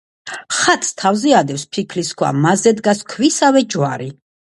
ხატს თავზეა ადევს ფიქლის ქვა, მასზე დგას ქვისავე ჯვარი.